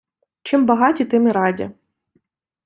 чим багаті, тим і раді